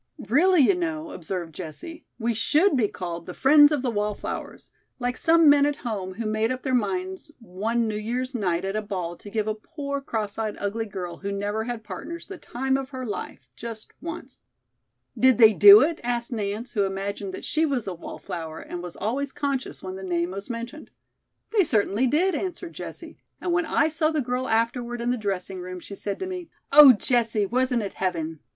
"Really, you know," observed Jessie, "we should be called 'The Friends of the Wallflowers,' like some men at home, who made up their minds one New Year's night at a ball to give a poor cross eyed, ugly girl who never had partners the time of her life, just once." "Did they do it?" asked Nance, who imagined that she was a wallflower, and was always conscious when the name was mentioned. "They certainly did," answered Jessie, "and when I saw the girl afterward in the dressing room, she said to me, 'Oh, Jessie, wasn't it heaven?'